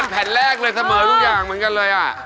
แผ่นแรกเลยเสมอทุกอย่างเหมือนกันเลย